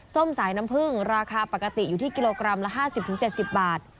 ส้มสายน้ำผึ้งราคาปกติอยู่ที่กิโลกรัมละ๕๐๗๐บาท